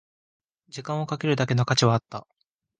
時間をかけるだけの価値はあった